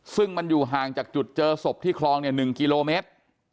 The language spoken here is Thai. ซึ่งมันอยู่ห่างจากจุดเจอศพที่คลอง๑กิโลเมตร